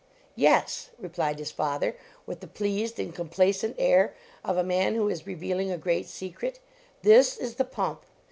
" Yes," replied his father, with the pleased and complacent air of a man who is reveal ing a great secret, " this is the pump.